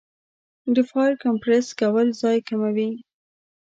د فایل کمپریس کول ځای کموي.